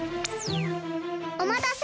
おまたせ。